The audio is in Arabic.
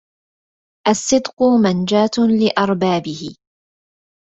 الصدق منجاة لأربابه